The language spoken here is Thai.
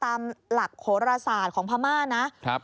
ตามหลักโหรศาสตร์ของพม่านะ